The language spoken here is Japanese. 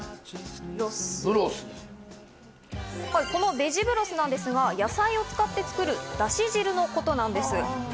ベジブロスですが、野菜を使って作るだし汁のことなんです。